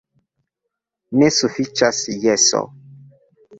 Ne sufiĉas jeso.